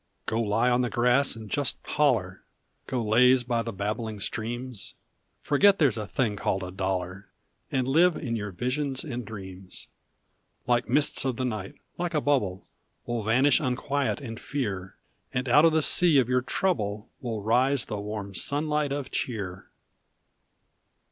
Go lie on the grass and just holler; Go laze by the babbling streams ; Forget there s a thing called a dollar, And live in your visions and dreams. Like mists of the night, like a bubble, Will vanish unquiet and fear, And out of the sea of your trouble Will rise the warm sunlight of cheer!